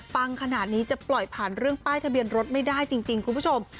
ขนาดนี้จะปล่อยผ่านเรื่องป้ายทะเบียนรถไม่ได้จริงคุณผู้ชม